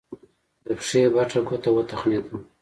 د پښې بټه ګوته وتخنېده.